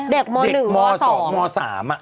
เด็กโม๑ม๒ม๓อะ